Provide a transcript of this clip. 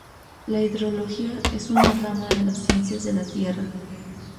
La hidrología es una rama de las Ciencias de la Tierra.